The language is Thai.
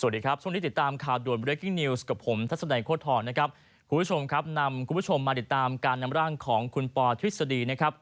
ถ้าสนใจโครวถอมนะครับคุณผู้ชมครับนำคุณผู้ชมมาติดตามการในร้างของคุณปอล์ทฤษฎีนะครับ